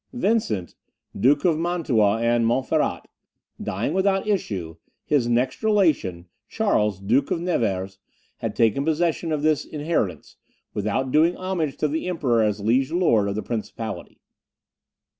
Vincent, Duke of Mantua and Montferrat, dying without issue, his next relation, Charles, Duke of Nevers, had taken possession of this inheritance, without doing homage to the Emperor as liege lord of the principality.